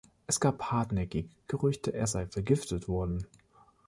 Es gab hartnäckige Gerüchte, er sei vergiftet worden.